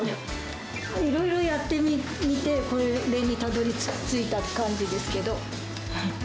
いろいろやってみて、これにたどりついた感じですけど。